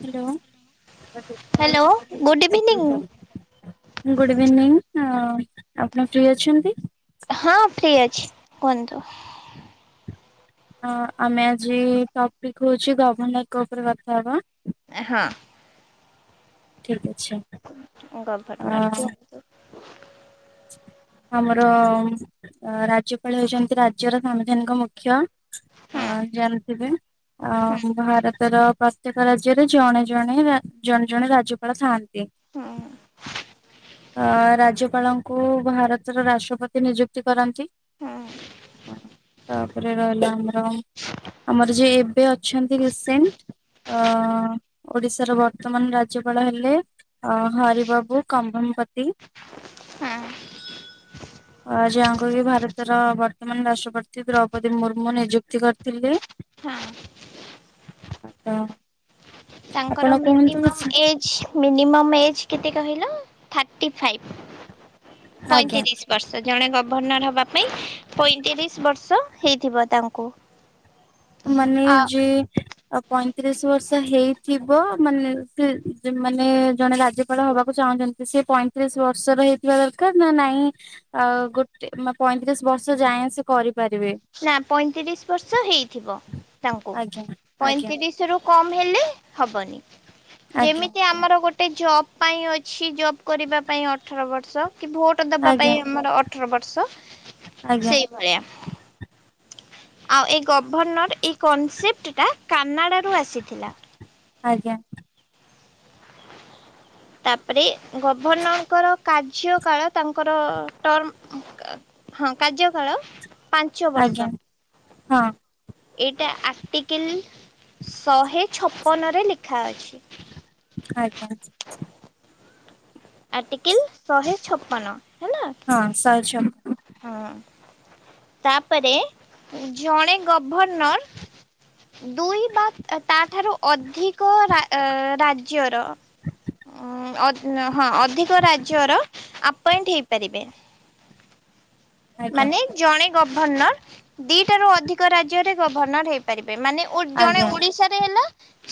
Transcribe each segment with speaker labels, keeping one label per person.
Speaker 1: Hello.
Speaker 2: Hello good evening.
Speaker 1: ହଁ ଆପଣ free ଅଛନ୍ତି?
Speaker 2: ହଁ ଫ୍ରି ଅଛି କୁହନ୍ତୁ।
Speaker 1: ଅ ଆମେ ଆଜି ଟପିକ ହଉଛି ଗଭର୍ଣ୍ଣର କ ଉପରେ କଥା ହବା।
Speaker 2: ଏ ହଁ।
Speaker 1: ଠିକ ଅଛି। ଅ
Speaker 2: ଗଭର୍ଣ୍ଣର କୁହ
Speaker 1: ଆମର ରାଜ୍ୟପାଳ ହେଉଛନ୍ତି ରାଜ୍ୟର ସାମ୍ବିଧାନିକ ମୁଖ୍ୟ। ହଁ ଜାଣିଥିବେ।
Speaker 2: ହଁ
Speaker 1: ଅ ଭାରତର ପ୍ରତ୍ୟେକ ରାଜ୍ୟରେ ଜଣେ ଜଣେ ଜଣେ ଜଣେ ରାଜ୍ୟପାଳ ଥାଆନ୍ତି,
Speaker 2: ହଁ
Speaker 1: ଅ ରାଜ୍ୟପାଳ କୁ ଭାରତର ରାଷ୍ଟ୍ରପତି ନିଯୁକ୍ତି କରନ୍ତି।
Speaker 2: ହଁ
Speaker 1: ତାପରେ ରହିଲା ଆମର ଆମର ଯିଏ ଏବେ ଅଛନ୍ତି ରିସେଣ୍ଟ ଅ ଓଡିଶାର ବର୍ତ୍ତମାନ ରାଜ୍ୟପାଳ ହେଲେ ହରି ବାବୁ କମ୍ଭମପତ।
Speaker 2: ହଁ।
Speaker 1: ଅ ଯାହାଙ୍କୁ କିି ଭାରତର ବର୍ତ୍ତମାନ ରାଷ୍ଟ୍ରପତି ଦ୍ରୌପଦୀ ମୁର୍ମୁ ନିଯୁକ୍ତି କରିଥିଲେ।
Speaker 2: ହଁ
Speaker 1: ତ ଆପଣ
Speaker 2: ତାଙ୍କର
Speaker 1: କୁହନ୍ତୁ
Speaker 2: ମିନିମମ୍
Speaker 1: କିଛି
Speaker 2: ଏଜ୍ ମିନିମମ୍ ଏଜ୍ କେତେ କହିଲ ଥାର୍ଟି ଫାଇଭ୍।
Speaker 1: ଆଜ୍ଞା
Speaker 2: ପଇଁତିରିଶ ବର୍ଷ ଜଣେ ଗଭର୍ଣ୍ଣର ହ ବା ପାଇଁ ପଇତିରିଶ ବର୍ଷ ହେଇଥିବ ତାଙ୍କୁ।
Speaker 1: ମାନେ
Speaker 2: ଆ
Speaker 1: ଯେ ଆ ପଇଁତିରିଶ ବର୍ଷ ହେଇଥିବ ମାନେ ସେ ମାନେ ଜଣେ ରାଜ୍ୟପାଳ ହବାକୁ ଚାହୁଁଛନ୍ତି ସେ ପଇଁତିରିଶ ବର୍ଷର ହେଇଥିବା ଦରକାର ନା ନାଇଁ ଆ ଗୋଟେ ପଇଁତିରିଶ ବର୍ଷ ଯାଏଁ ସେ କରି
Speaker 2: ନା ପଇଁତିରିଶ ବର୍ଷ ହେଇଥିବ। ତାଙ୍କୁ
Speaker 1: ଆଜ୍ଞା ଆଜ୍ଞା
Speaker 2: ପଇଁତିରିଶ ରୁ କମ ହେଲେ ହବନି।
Speaker 1: ଆଜ୍ଞା
Speaker 2: ଯେମିତି
Speaker 1: ଆଜ୍ଞା
Speaker 2: ଆମର ଗୋଟେ ଜବ୍ ପାଇଁ ଅଛି ଜବ୍ କରିବା ପାଇଁ ଅଠର ବର୍ଷ। କି ଭୋଟ୍ ଦବା ପାଇଁ
Speaker 1: ଆଜ୍ଞା
Speaker 2: ଆମର ଅଠର ବର୍ଷ।
Speaker 1: ଆଜ୍ଞା
Speaker 2: ସେଇଭଳିଆ ଆଉ ଏ ଗଭର୍ଣ୍ଣର ଏଇ କନସେପ୍ଟଟା କାନାଡ଼ାରୁ ଆସିଥିଲା।
Speaker 1: ଆଜ୍ଞା।
Speaker 2: ତାପରେ ଗଭର୍ଣ୍ଣରଙ୍କର କାର୍ଯ୍ୟ କାଳ ତାଙ୍କର ଟ୍ରମ ହଁ କାର୍ଯ୍ୟ କାଳ ପାଞ୍ଚ
Speaker 1: ଆଜ୍ଞା
Speaker 2: ବର୍ଷ।
Speaker 1: ହଁ।
Speaker 2: ଏଇଟା ଆର୍ଟିକିଲ୍ ଶହେ ଛପନରେ ଲେଖା ଅଛି।
Speaker 1: ଆଞ। ଆଜ୍ଞା।
Speaker 2: ଆ ଟି କିଲ୍ ଶହେ ଛପନ ହେଲା।
Speaker 1: ହଁ ଶହେ ଛପନ
Speaker 2: ହଁ ତାପରେ ଜଣେ ଗ ଗଭର୍ଣ୍ଣର ଦୁଇ ବା ତା ଠାରୁ ଅଧିକ ଏକ ରା ରାଜ୍ୟର ଉଁ ଅ ନା ହଁ ଅଧିକ ରାଜ୍ୟର ଆପଏଣ୍ଟ ହେଇପାରିବେ।
Speaker 1: ଆଜ୍ଞା
Speaker 2: ମାନେ ଜଣେ ଗବ ଭର୍ଣ୍ଣର ଦିଟାରୁ ଅଧିକ ରାଜ୍ୟରେ ଗଭର୍ଣ୍ଣର ହେଇପାରି ରେ ମାନେ ଓ ଜଣେ
Speaker 1: ଆଜ୍ଞା
Speaker 2: ଓଡିଶାରେ ହେଲା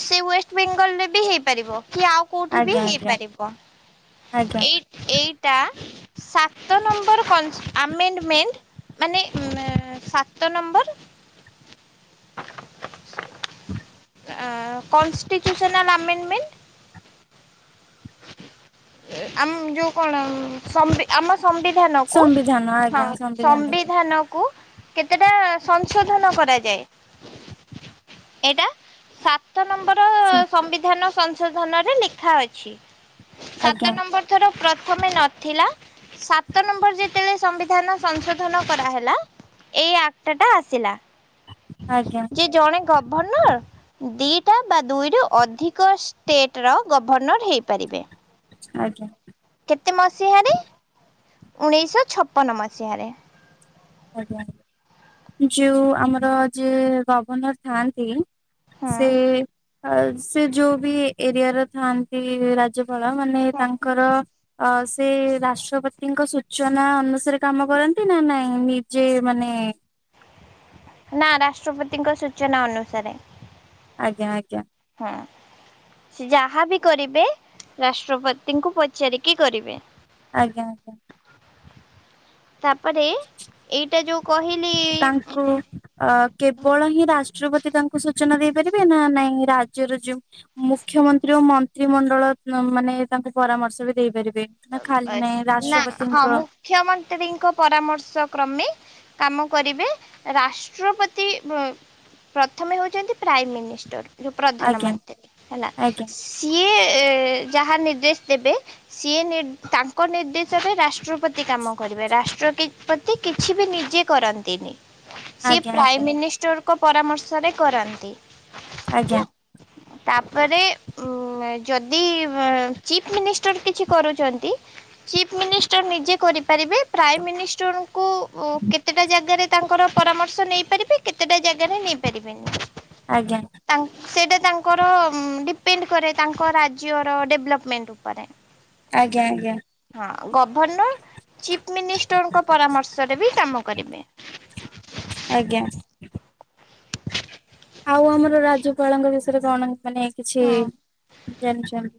Speaker 2: ସେ ୱେଷ୍ଟ ବେଙ୍ଗଲ ରେ ବି ହେଇପାରିବ। କି ଆଉ କୋଉଠି ବି
Speaker 1: ଆଜ୍ଞା ଆଜ୍ଞା
Speaker 2: ହେଇପାରିବ।
Speaker 1: ଆଜ୍ଞା
Speaker 2: ଏଇ ଏଇଟା ସାତ ନମ୍ବର୍ କନ୍ସ ଆମେ ନୁ ମେଣ୍ଟ୍ ମାନେ ମେଁ ସାତ ନମ୍ବର୍
Speaker 1: ହୁଁ
Speaker 2: ଆ, କନଷ୍ଟିଚୁସନାଲ ଆମେଟମେଣ୍ଟ ଏ ଆମ ଯୋଉ କଣ ଉଁ, ସମ୍ବି ଆମ ସମ୍ବିଧାନକୁ
Speaker 1: ସମ୍ବିଧାନ
Speaker 2: ହଁ
Speaker 1: ଆଜ୍ଞା
Speaker 2: ସମ୍ବିଧାନ କୁ କେତେଟା ସଂଶୋଧନ କରାଯାଏ, ଏଇଟା ସାତ ନମ୍ବର୍ ର ସମ୍ବିଧାନ ସଂ ସଂଶୋଧନ ରେ ଲେଖା ଅଛି।
Speaker 1: ଆଜ୍ଞା
Speaker 2: ସାତ ନମ୍ବର୍ ଥର ପ୍ରଥମେ ନଥିଲା ସାତ ନମ୍ବର୍ ଯେତେବେଳେ ସମ୍ବି ଧାନ ସଂଶୋଧନ କରାହେଲା ଏଇ ଆକ୍ଟ ଟା ଆସିଲା।
Speaker 1: ଆଜ୍ଞା
Speaker 2: ଯେ ଜଣେ ଗ ଗଭର୍ଣ୍ଣର ଦିଟା ବା ଦୁଇରୁ ଅଧିକ ଷ୍ଟେଟ୍ ର ଗଭର୍ଣ୍ଣର ହେଇପାରିବେ।
Speaker 1: ଆଜ୍ଞା।
Speaker 2: କେତେ ମସିହାରେ ଉଣେଇଶହ ଛପନ ମସିହାରେ।
Speaker 1: ଆଜ୍ଞା ଆଜ୍ଞା ଯୋଉ ଆମର ଯିଏ ଗଭର୍ଣ୍ଣର ଥାଆନ୍ତି
Speaker 2: ହଁ।
Speaker 1: ସେ ଆଉ ସେ ଯୋଉ ବି ଏରିଆର ଥାଆନ୍ତି ରାଜ ପାଳ ମାନେ
Speaker 2: ନା
Speaker 1: ତାଙ୍କର ଅ, ସେ ରାଷ୍ଟ୍ରପତିଙ୍କ ସୂଚନା ଅନୁସାରେ କାମ କରନ୍ତି ନା ନାଇଁ? ଏମି ଯେ ମାନେ
Speaker 2: ନା ରାଷ୍ଟ୍ରପତିଙ୍କ ସୂଚନା ଅନୁସାରେ।
Speaker 1: ଆଜ୍ଞା, ଆଜ୍ଞା।
Speaker 2: ହଁ ସେ ଯାହାବି କରିବେ ରାଷ୍ଟ୍ରପତିଙ୍କୁ ପଚାରିକି କରିବେ।
Speaker 1: ଆଜ୍ଞା, ଆଜ୍ଞା।
Speaker 2: ତା ପରେ ଏଇଟା ଯୋଉ କହିଲି
Speaker 1: ତାଙ୍କୁ
Speaker 2: ଉଁ
Speaker 1: ଅ, କେବଳ ହିଁ ରାଷ୍ଟ୍ରପତି ତାଙ୍କୁ ସୁ ସୂଚନା ଦେଇପାରିବେ ନା ନାଇଁ ରାଜ୍ୟର ଯୋଉ ମୁଖ୍ୟମନ୍ତ୍ରୀ ଓ ମନ୍ତ୍ରିମଣ୍ଡଳ ଅ, ମାନେ ତାଙ୍କୁ ପରାମର୍ଶ ବି ଦେଇପାରି
Speaker 2: ଏମ୍ -ଏ -ନା ହଁ ମୁଖ୍ୟମନ୍ତ୍ରୀଙ୍କ ପରାମର୍ଶ କ୍ରମେ କାମ କରିବେ ରାଷ୍ଟ୍ରପତି ପ୍ର ପ୍ରଥମେ ହେଉଛନ୍ତି ପ୍ରାଇ ମିନିଷ୍ଟର। ଯୋଉ
Speaker 1: ଆଜ୍ଞା
Speaker 2: ପ୍ରଧାନମନ୍ତ୍ରୀ ହେଲା
Speaker 1: ଆଜ୍ଞା
Speaker 2: ସିଏ ଏ ଯାହା ନିର୍ଦ୍ଦେଶ ଦେବେ। ସିଏ ନିର୍ ତାଙ୍କ ନିର୍ଦ୍ଦେଶରେ ରାଷ୍ଟ୍ରପତି କାମ କରିବେ ରାଷ୍ଟ୍ରପତି କିଛି ବି ନିଜେ କରନ୍ତିନି। ସେ
Speaker 1: ଆଜ୍ଞା ଆଜ୍ଞା
Speaker 2: ପ୍ରାଇମ ମିନିଷ୍ଟରକୁ ଲୋକଙ୍କ ପରାମର୍ଶରେ କରନ୍ତି। ହେଲା
Speaker 1: ଆଜ୍ଞା
Speaker 2: ତାପରେ ଉ ଯଦି ଏମ୍ ଚିଫ ମିନିଷ୍ଟର କିଛି କରୁଛନ୍ତି ଚିଫ୍ ମିନିଷ୍ଟର ନିଜେ କରି ପାରିବେ ପ୍ରାଇ ମିନିଷ୍ଟର ଙ୍କୁ କେତେଟା ଜାଗାରେ ତାଙ୍କର ପରାମର୍ଶ ନେଇପାରି ସେ କେତେଟା ଜାଗାରେ ନେଇପାରିବେନି?
Speaker 1: ଆଜ୍ଞା ଆଜ୍ଞା
Speaker 2: ତାଙ୍କ ସେଇଟା ତାଙ୍କ ର ଡିପେଣ୍ଡ କରେ ତାଙ୍କ ରାଜ୍ୟର ଡେଭଲପମେଣ୍ଟ ଉପରେ।
Speaker 1: ଆଜ୍ଞା
Speaker 2: ହଁ ଗଭର୍ଣ୍ଣର ଚିଫ ମିନିଷ୍ଟରଙ୍କ ପରାମର୍ଶରେ ବି କାମ କରିବେ।
Speaker 1: ଆଜ୍ଞା ଆଉ ଆମର ରାଜ୍ୟପାଳଙ୍କ ବିଷୟରେ କଣ? ମାନେ କିଛି
Speaker 2: ହଁ
Speaker 1: ଜାଣିଛନ୍ତି।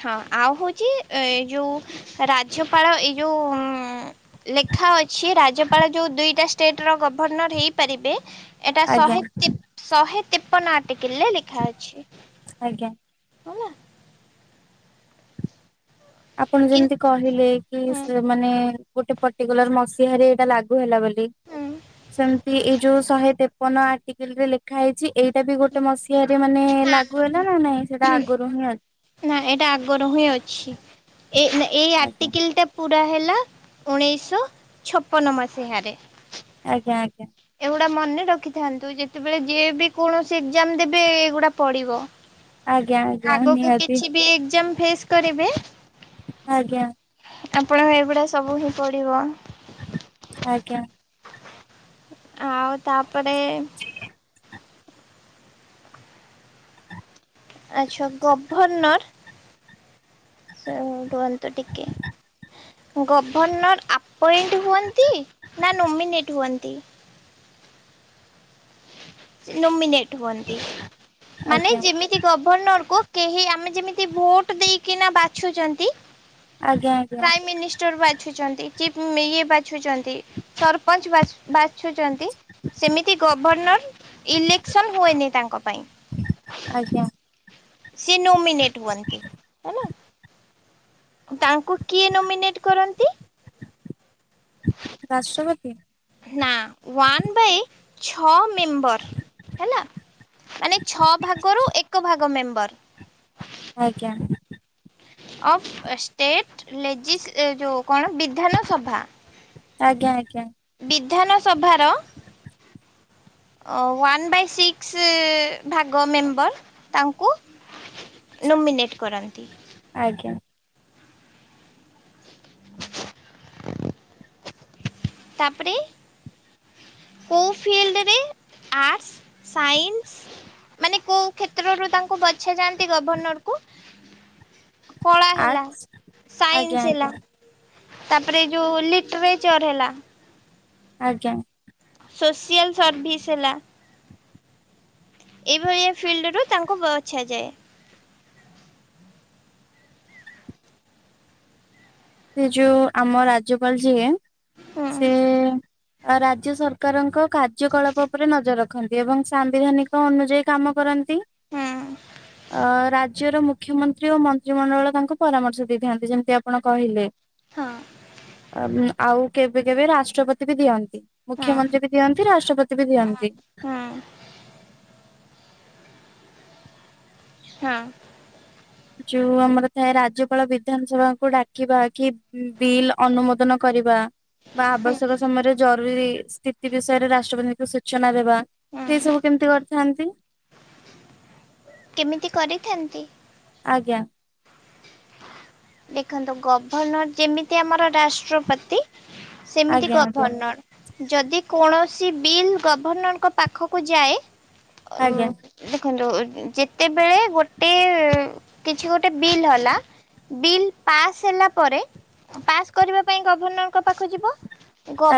Speaker 2: ହଁ ଆଉ ହଉଛି ଏ ଏ ଯୋଉ ରାଜ୍ୟପାଳ ଏଇ ଯୋଉ ଲେଖା ଅ ସିଏ ରାଜ୍ୟପାଳ ଯୋଉ ଦୁଇଟା ଷ୍ଟେଟ୍ର ଗଭର୍ଣ୍ଣର ହେଇପାରିବେ। ଏଟା
Speaker 1: ଆଜ୍ଞା
Speaker 2: ଶହେ ଶହେ ଟିପ ନା ଟିକିଲିରେ ଲେଖା ଅଛି।
Speaker 1: ଆଜ୍ଞା
Speaker 2: ହେଲା।
Speaker 1: ଆପଣ
Speaker 2: କି
Speaker 1: ଯେମିତି କହିଲେ କି
Speaker 2: ହୁଁ
Speaker 1: ସେ ମାନେ ଗୋଟେ ପର୍ଟିକୁଲାର ମସିହାରେ ଏଇଟା ଲାଗୁ ହେଲା ବୋଲି
Speaker 2: ହୁଁ
Speaker 1: ସେମତି ଏଇ ଯୋଉ ଶହେ ତେପନ ଆର୍ଟକିଲ ରେ ଲେଖା ହେଇଛି ଏଇଟା ବି ଗୋଟେ ମସିହାରେ ମାନେ ଲାଗୁ ହେଲା ନା ନାଇଁ ସେଟା ଆଗରୁ ହିଁ ଅ
Speaker 2: ନା ଏଇଟା ଆଗରୁ ହିଁ ଅଛି। ଏ ଏଇ
Speaker 1: ଅଛି।
Speaker 2: ଆଟିକିଲଟା ପୁର ପୁରା ହେଲା, ଉଣେଇଶ ଛପନ ମସିହାରେ ।
Speaker 1: ଆଜ୍ଞା ଆଜ୍ଞା।
Speaker 2: ଏଗୁଡା ମନେ ରଖିଥାନ୍ତୁ ।ଯେତେବେଳେ ଯିଏ ବି କୌଣସି ଏକଜାମ ଦେବେ ଏଗୁଡା ପଡିବ।
Speaker 1: ଆଜ୍ଞା ଆଜ୍ଞା ନିହାତି।
Speaker 2: ଏକ୍ଜାମ ଫେସ୍ କରିବେ।
Speaker 1: ଆଜ୍ଞା।
Speaker 2: ଆପଣ ଏଇଭଳିଆ ସବୁ ହିଁ ପଡିବ।
Speaker 1: ଆଜ୍ଞା।
Speaker 2: ଆଉ ତାପରେ ଆଚ୍ଛା ଗଭର୍ଣ୍ଣର ରୁହନ୍ତୁ ଟିକେ ଗଭଣ୍ଣର ଆପ୍ ପଏଣ୍ଟ ହୁଅନ୍ତି ନା ନୋମିନେଟ ହୁଅନ୍ତି? ତି ନୋମିନେଟ, ମାନେ
Speaker 1: ଆଜ୍ଞା
Speaker 2: ଯେମିତି ଗଭର୍ଣ୍ଣର କୁ କେହି ଆମେ ଯେମତି ଭୋଟ ଦେଇ କିନା ବାଛୁଛନ୍ତି
Speaker 1: ଆଜ୍ଞା ଆଜ୍ଞା
Speaker 2: ପ୍ରାଇମ ମିନିଷ୍ଟର ଉଛନ୍ତି କି ଇଏ ବା [unintelligible] ସରପଞ୍ଚ ବାଛି ବା ବାଛୁଛନ୍ତି ସେମିତି ଗଭ୍ ଗଭର୍ଣ୍ଣର ଇଲେକ୍ସନ୍ ହୁଏନି ତାଙ୍କ ପାଇଁ।
Speaker 1: ଆଜ୍ଞା
Speaker 2: ସିଏ ନୋମିନେଟ୍ ହୁଅନ୍ତି ହେଲା ତାଙ୍କୁ କିଏ ନୋମିନେଟ କରନ୍ତି?
Speaker 1: ରାଷ୍ଟ୍ରପତି?
Speaker 2: ନା ଓଆନ୍ ବାଇ ଛଅ ମେମ୍ୱର ହେଲା ମାନେ ଛ ଭାଗରୁ ଏକ ଭାଗ ମେମ୍ୱର ବାର [unintelligible]
Speaker 1: ଆଜ୍ଞା,
Speaker 2: ଅଫ ଷ୍ଟେଟ ଲେଜିସ ଏଜଉ କ'ଣ ବିଧାନ ସଭା।
Speaker 1: ଆଜ୍ଞା ଆଜ୍ଞା,
Speaker 2: ବିଧାନସଭାର
Speaker 1: [inaudible]
Speaker 2: ୱାନ ବାଇ ସିକସ ଭାଗ ମେମ୍ବର ତାଙ୍କୁ ନୋମିନେଟ କରନ୍ତି।
Speaker 1: ଆଜ୍ଞା,
Speaker 2: ତାପରେ କୋଉ ଫିଲ୍ଡରେ ଆର୍ଟ ସାଇନ୍ସ ମାନେ କୋଉ କ୍ଷେତ୍ରରୁ ତାଙ୍କୁ ବଛ ଯାନ୍ତି? ଗଭର୍ଣ୍ଣର କୁ କଳା ହେଲା
Speaker 1: ଆର୍ଟସ
Speaker 2: ସାଇନ୍ସ
Speaker 1: ଆଜ୍ଞା ଆଜ୍ଞା
Speaker 2: ହେଲା ତାପରେ ଯୋଉ ଲିଟରେଚର ହେଲା
Speaker 1: ଆଜ୍ଞା,
Speaker 2: ସୋସିଆଲ୍ ସର୍ଭିସ୍ ହେଲା ଏଇଭଳିଆ ଫିଲ୍ଡ ରୁ ତାଙ୍କୁ ବଛାଯାଏ।
Speaker 1: ସେ ଯୋଉ ଆମ ରାଜ୍ୟପାଳ ଯିଏ
Speaker 2: ହୁଁ
Speaker 1: ସେ, ଅ ରାଜ୍ୟ ସରକାରଙ୍କ କାର୍ଯ୍ୟକଳାପ ଉପରେ ନଜର ରଖନ୍ତି ଏବଂ ସାମ୍ବିଧାନିକ ଅନୁଯାୟୀ କାମ କରାନ୍ତି। ଅ
Speaker 2: ହୁଁ
Speaker 1: ରା ରାଜ୍ୟର ମୁଖ୍ୟମନ୍ତ୍ରୀ ଓ ମନ୍ତ୍ରିମଣ୍ଡଳ ତାଙ୍କୁ ପରାମର୍ଶ ଦେଇଥାନ୍ତି ଯେମିତି ଆପଣ କହିଲେ,
Speaker 2: ହଁ
Speaker 1: ଆ, ଆଉ କେବେ କେବେ ରାଷ୍ଟ୍ରପତି ବି ଦିଅନ୍ତି
Speaker 2: ହଁ
Speaker 1: ମୁଖ୍ୟମନ୍ତ୍ରୀ ବି ଦିଅନ୍ତି ରାଷ୍ଟ୍ରପତି ବି ଦିଅନ୍ତି।
Speaker 2: ହଁ ହଁ।
Speaker 1: ଯୋଉ ଆମର ଥାଏ ରାଜ୍ୟପାଳ ବିଧାନସଭାକୁ ଡାକିବା କି ବିଲ୍ ଅନୁମୋଦନ କରିବା ବା ଆବଶ୍ୟକ
Speaker 2: ହଁ
Speaker 1: ସମୟରେ ଜରୁରୀ ସ୍ଥିତି ବିଷୟରେ ରାଷ୍ଟ୍ରପତିଙ୍କୁ ସୂଚନା ଦେବା ସେ ସବୁ କେମିତି କରିଥାନ୍ତି।
Speaker 2: କେମିତି କରିଥାନ୍ତି।
Speaker 1: ଆଜ୍ଞା।
Speaker 2: ଦେଖନ୍ତୁ ଗଭର୍ଣ୍ଣର ଯେମିତି ଆମର ରାଷ୍ଟ୍ରପତି, ସେମିତି
Speaker 1: ଆଜ୍ଞା ଆଜ୍ଞା।
Speaker 2: କଭର୍ଣଣ ଯଦି କୌଣସି ବିଲ୍ ଗଭର୍ଣ୍ଣରଙ୍କ ପାଖକୁ ଯାଏ। ଉଁ ଦେଖ କିନ୍ତୁ ଯେତେବେଳେ ଗୋଟେ କିଛି ଗୋଟେ ବିଲ୍ ହେଲା ବିଲ୍ ପାସ୍ ହେଲା ପରେ ପାସ୍ କରିବା ପାଇଁ ଗଭର୍ଣ୍ଣରଙ୍କ ପାଖକୁ ଯିବ।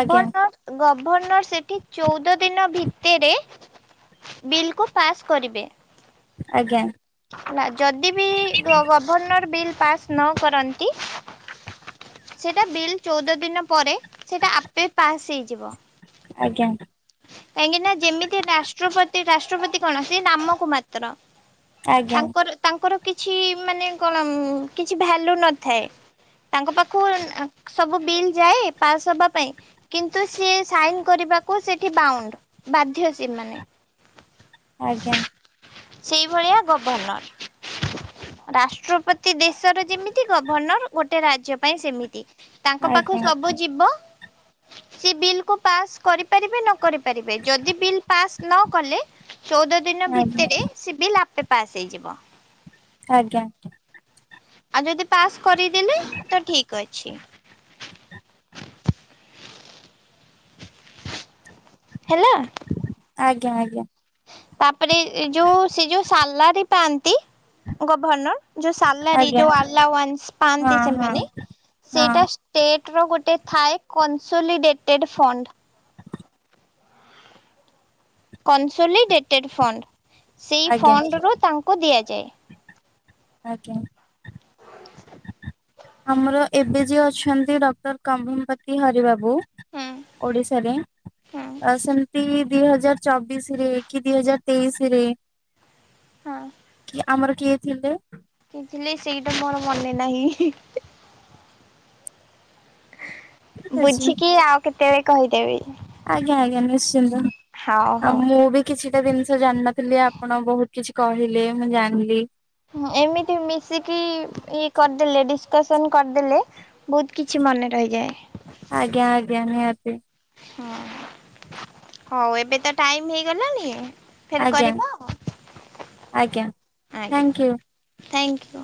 Speaker 1: ଆଜ୍ଞା
Speaker 2: ଗଭର୍ଣ୍ଣର ସେଠି ଚଉଦ ଦିନ ଭିତରେ ବିଲ୍କୁ ପାସ୍ କରିବେ।
Speaker 1: ଆଜ୍ଞା।
Speaker 2: ନା ଯଦି ବି ଗଭର୍ଣ୍ଣର ବିଲ୍ ପାସ୍ ନ କରନ୍ତି ସେଟା ବିଲ୍ ଚଉଦ ଦିନ ପରେ ସେଇଟା ଆପେ ପାସ ଯିବ।
Speaker 1: ଆଜ୍ଞା।
Speaker 2: କାହିଁକି ନା ଯେମିତି ରାଷ୍ଟ୍ରପତି ରାଷ୍ଟ୍ରପତି କଣ ସେ ନାମକୁ ମାତ୍ର।
Speaker 1: ଆଜ୍ଞା
Speaker 2: ତାଙ୍କର ତାଙ୍କର କିଛି ମାନେ କଣ ଉଁ କିଛି ଭାଲ୍ୟୁ ନଥାଏ। ତାଙ୍କ ପାଖକୁ ଉଁ ସବୁ ବିଲ ଯାଏ ପାସ ହବା ପାଇଁ କିନ୍ତୁ ସିଏ ସାଇନ କରିବାକୁ ସେଠି ବାଉଣ୍ଡ ବାଧ୍ୟ ସେ ମାନେ।
Speaker 1: ଆଜ୍ଞା।
Speaker 2: ସେଇ ଭଳିଆ ଗଭର୍ଣ୍ଣର। ରାଷ୍ଟ୍ରପତି ଦେଶର ଯେମିତି ଗଭର୍ଣ୍ଣର ଗୋଟେ ରାଜ୍ୟ ପାଇଁ ସେମିତି। ତାଙ୍କ
Speaker 1: ଆଜ୍ଞା
Speaker 2: ପାଖକୁ
Speaker 1: ଆଜ୍ଞା।
Speaker 2: ସବୁ ଯିବ ସେ ବିଲ କୁ ପାସ କରି ପାରିବେ ନ କରି ପାରିବେ ଯଦି ବିଲ ପାସ ନ କଲେ ଚଉଦ ଦିନ ଭି ରେ ସେ ବିଲ ଆପେ ପାସ ହେଇଯିବ।
Speaker 1: ଆଜ୍ଞା ଆ [inaudible]
Speaker 2: ଆଉ ଯଦି ପାସ କରିଦେଲେ ତ ଠିକ ଅଛି। ହ୍ୟାଲୋ।
Speaker 1: ଆଜ୍ଞା ଆଜ୍ଞା।
Speaker 2: ତାପରେ ଏ ଯୋଉ ସେ ଯୋଉ ସାଲାରି ପାଆ ନ୍ତି ଗଭର୍ଣ୍ଣର ଯୋଉ ସାଲାରୀ
Speaker 1: ଆଜ୍ଞା
Speaker 2: ଯୋଉ ଆଲା ଓ୍ବାନ୍ସ
Speaker 1: ହଁ
Speaker 2: ପାଆନ୍ତି
Speaker 1: ହଁ
Speaker 2: ସେମାନେ
Speaker 1: ହଁ
Speaker 2: ସେଇଟା ଷ୍ଟେ ଟ ର ଗୋଟେ ଥାଏ କନ୍ସୁଲିଡେଟେଡ ଫଣ୍ଡ। Consolidated fund. ସେଇ
Speaker 1: ଆଜ୍ଞା
Speaker 2: ଫଣ୍ଡ ରୁ ତାଙ୍କୁ ଦିଆ ଯେଏ ।
Speaker 1: ଆଜ୍ଞା। ଆମର ଏବେ ଯିଏ ଅଛନ୍ତି ଡକ୍ଟର ପତି ହରି ବାବୁ
Speaker 2: ହୁଁ
Speaker 1: ଓଡିଶାରେ
Speaker 2: ହୁଁ
Speaker 1: ଅ ସେମତି ଦି ହଜାର ଚବିଶି ରେ କି ଦି ହଜାର ତେଇଶି ରେ
Speaker 2: ହଁ।
Speaker 1: କି ଆମର କିଏ ଥିଲେ?
Speaker 2: ଥିଲେ ସେଇଟା ମୋର ମନେ ନାହିଁ।
Speaker 1: ଠିକ ଅଛି
Speaker 2: ବୁଝିକି ଆଉ କେ ତେବେଳେ କହିଦେବି।
Speaker 1: ଆଜ୍ଞା ଆଜ୍ଞା ନିଶ୍ଚିନ୍ତ।
Speaker 2: ହଉ
Speaker 1: ଆଉ
Speaker 2: ହଉ।
Speaker 1: ମୁଁ ବି କିଛିଟା ଜିନିଷ ଜାଣିନଥିଲି ଆପଣ ବହୁତ କିଛି କହିଲେ ମୁଁ ଜାଣିଲି
Speaker 2: ହୁଁ ଏମିତି ମିଶିକି ଇଏ କରିଦେଲେ ଡି କସନ କରିଦେଲେ ବହୁତ କିଛି ମନେ ରହିଯାଏ।
Speaker 1: ନିହାତି ନିହାତି।
Speaker 2: ହଁ ହଉ ଏବେ ତ ଟାଇମ ହେଇଗଲାଣି ଫେର୍
Speaker 1: ଆଜ୍ଞା
Speaker 2: କରିବା ଆଉ
Speaker 1: ଆଜ୍ଞା ଥ୍ୟାଙ୍କ ୟୁ।
Speaker 2: ତ